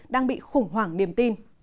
đang bị khủng hoảng niềm tin